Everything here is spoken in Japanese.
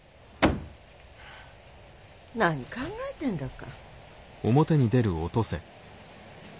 何考えてんだか。